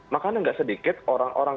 makanya nggak sedikit orang orang